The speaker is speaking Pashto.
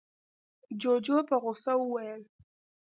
جُوجُو په غوسه وويل: